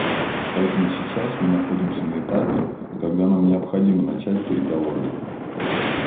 Поэтому сейчас мы находимся на этапе, когда нам необходимо начать переговоры.